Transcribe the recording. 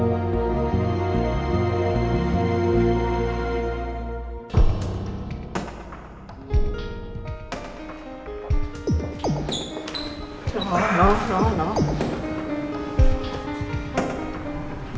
tidak tidak tidak